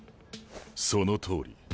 そのとおり。